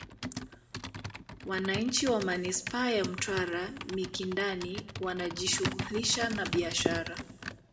Wananchi wa Manispaa ya Mtwara Mikindani wanajishughulisha na biashara